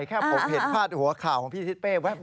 แค่ผมเห็นพาดหัวข่าวของพี่ทิศเป้แว๊บ